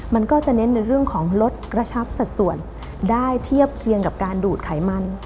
มันก็จะเน้นในเรื่องของลดกระชับสัดส่วนได้เทียบเคียงกับการดูดไขมัน